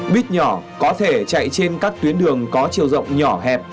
buýt nhỏ có thể chạy trên các tuyến đường có chiều rộng nhỏ hẹp